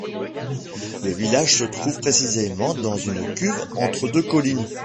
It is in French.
Le village se trouve précisément dans une cuve entre deux collines.